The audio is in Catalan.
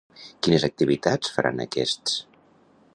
Quines activitats faran aquests?